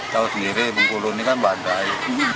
tahu sendiri bengkulu ini kan badai